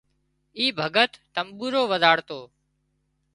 اِي ڀڳت تمٻورو وزاۯتو